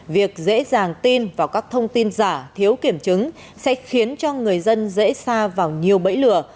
việc dễ dàng tin vào các thông tin giả thiếu kiểm chứng sẽ khiến cho người dân dễ xa vào nhiều bẫy lừa